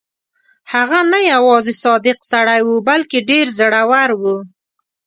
هغه نه یوازې صادق سړی وو بلکې ډېر زړه ور وو.